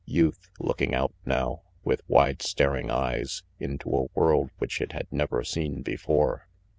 Youth, looking out now, with wide staring eyes, into a world which it had never seen before.